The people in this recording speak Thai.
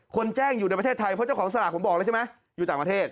แจ้งอยู่ในประเทศไทยเพราะเจ้าของสลากผมบอกแล้วใช่ไหมอยู่ต่างประเทศ